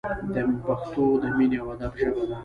پښتو د مینې او ادب ژبه ده!